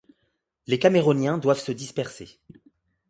Les caméroniens doivent se disperser.